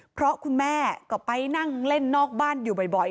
เพราะคุณแม่ก็ไปนั่งเล่นนอกบ้านอยู่บ่อย